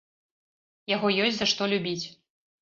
Яго ёсць за што любіць.